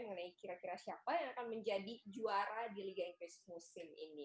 mengenai kira kira siapa yang akan menjadi juara di liga inggris musim ini